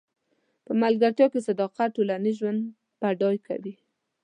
په ملګرتیا کې صداقت ټولنیز ژوند بډای کوي.